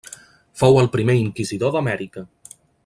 Fou el primer inquisidor d'Amèrica.